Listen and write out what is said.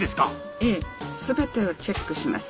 ええ全てをチェックします。